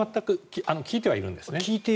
効いてはいるんですね。